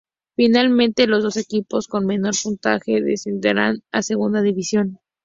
Finalmente, los dos equipos con menor puntaje descenderán a Segunda División.